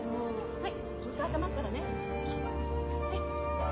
はい。